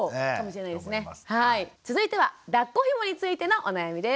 続いてはだっこひもについてのお悩みです。